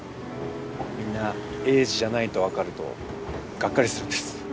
みんな栄治じゃないと分かるとがっかりするんです。